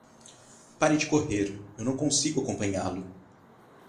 Pare de correr, eu não consigo acompanhá-lo.